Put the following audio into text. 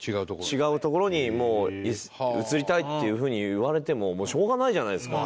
「違うところに移りたい」っていう風に言われてもしょうがないじゃないですか。